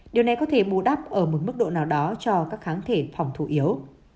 điều này có thể bù đắp ở một mức độ nào đó cho các kháng thể phòng thủ yếu